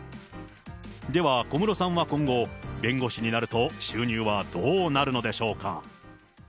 では、小室さんは今後、弁護士になると収入はどうなるのでしょうか。